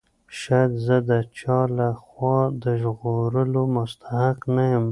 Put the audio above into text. شاید زه د چا له خوا د ژغورلو مستحق نه یم.